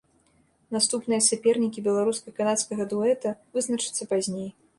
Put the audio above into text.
Наступныя сапернікі беларуска-канадскага дуэта вызначацца пазней.